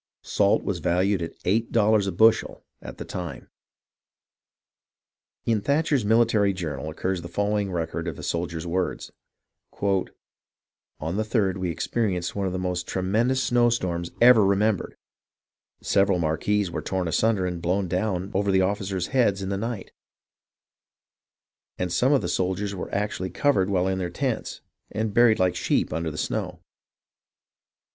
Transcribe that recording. Salt was valued at eigJit dollars a btishel at the time. In Thatcher's Military Journal occurs the following record of a soldier's words :—" On the 3d we experienced one of the most tremen dous snow storms ever remembered. ... Several mar quees were torn asunder and blown down over the officers' heads in the night, and some of the soldiers were actually covered while in their tents, and buried like sheep under the snow.